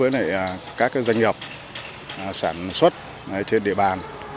với các doanh nghiệp sản xuất trên địa bàn